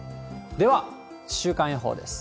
では、週間予報です。